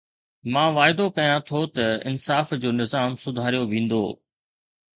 مان واعدو ڪيان ٿو ته انصاف جو نظام سڌاريو ويندو.